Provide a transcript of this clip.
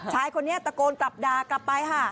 ชายคนนี้ตะโกนกลับด่ากลับไปค่ะ